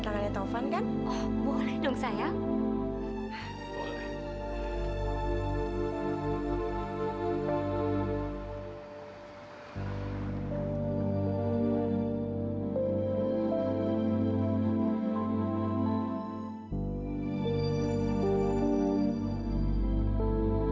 selamat malam semuanya